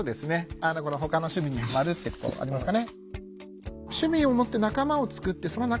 「ほかの趣味にハマる」ってところありますかね。